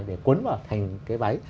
để quấn vào thành cái váy